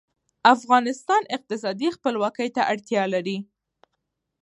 افغانستان اقتصادي خپلواکۍ ته اړتیا لري